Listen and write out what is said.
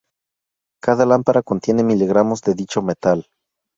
Cada lámpara contiene miligramos de dicho metal.